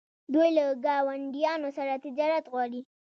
دوی له ګاونډیانو سره تجارت غواړي.